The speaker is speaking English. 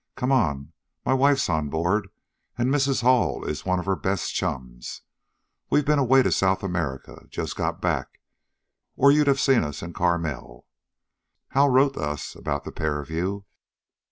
Come on. My wife's on board, and Mrs. Hall is one of her best chums. We've been away to South America just got back; or you'd have seen us in Carmel. Hal wrote to us about the pair of you."